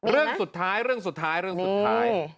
เรื่องสุดท้ายเรื่องสุดท้ายเรื่องสุดท้าย